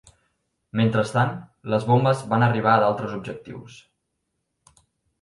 Mentrestant, les bombes van arribar a d'altres objectius.